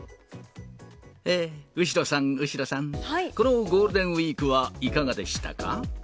後呂さん、後呂さん、このゴールデンウィークはいかがでしたか？